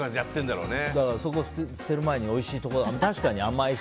そこを捨てる前においしいところだからって。